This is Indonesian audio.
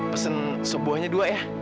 pesen sebuahnya dua ya